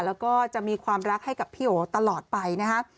แล้วก็จะมีความรักให้กับพี่โอตลอดไปนะครับ